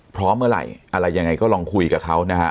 เมื่อไหร่อะไรยังไงก็ลองคุยกับเขานะฮะ